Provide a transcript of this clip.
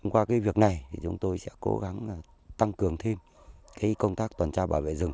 qua cái việc này thì chúng tôi sẽ cố gắng tăng cường thêm cái công tác toàn tra bảo vệ rừng